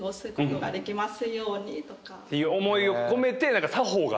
っていう思いを込めて。